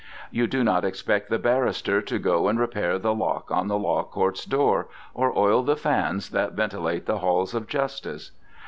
You do not expect the barrister to go and repair the lock on the law courts door, or oil the fans that ventilate the halls of justice.